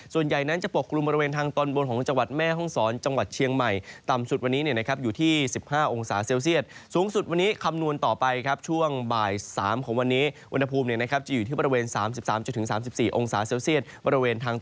ส่วนใหญ่นั้นจะปกลุ่มบริเวณทางตอนบนของจังหวัดแม่ห้องศร